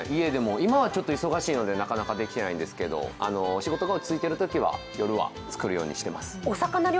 今はちょっと忙しいのでなかなかできてないんですけど仕事が落ち着いているときは夜は作るようにしています。